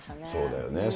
そうだよね。